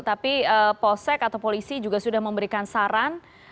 tapi polsek atau polisi juga sudah memberikan saran